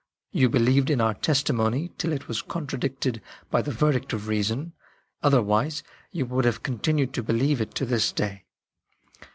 You believed in our testimony till it was contradicted by the verdict of reason, other wise you would have continued to believe it to this day.